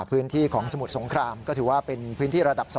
พื้นที่ของสมุทรสงครามก็ถือว่าเป็นพื้นที่ระดับ๒